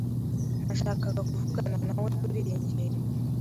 Nashakaga kuvugana nawe kuriyi ngingo.